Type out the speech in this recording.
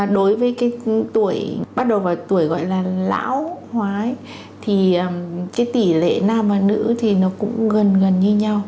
đối với tuổi bắt đầu vào tuổi gọi là lão hóa thì tỷ lệ nam và nữ cũng gần như nhau